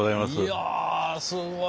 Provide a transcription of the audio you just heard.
いやすごいね。